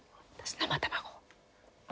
・生卵？